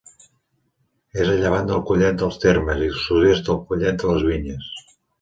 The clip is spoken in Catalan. És a llevant del Collet dels Termes i al sud-est del Collet de les Vinyes.